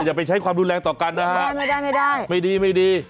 อย่าไปใช้ความดูแลต่อกันนะฮะไม่ได้